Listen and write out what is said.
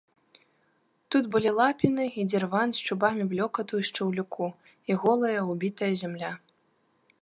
Тут былі лапіны і дзірвану з чубамі блёкату і шчаўлюку і голая, убітая зямля.